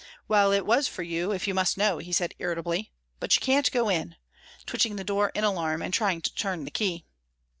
"Well, it was for you, if you must know," he said irritably. "But you can't go in," twitching the door in alarm, and trying to turn the key.